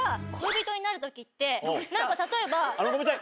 何か例えば。